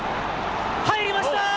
入りました。